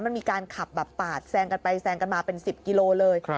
มันมีการขับแบบปาดแซงกันไปแซงกันมาเป็น๑๐กิโลเลย